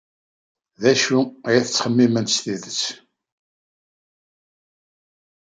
D acu ay tettxemmimemt s tidet?